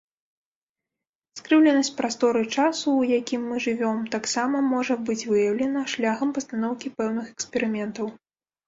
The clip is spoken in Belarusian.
Скрыўленасць прасторы-часу, у якім мы жывём, таксама можа быць выяўлена шляхам пастаноўкі пэўных эксперыментаў.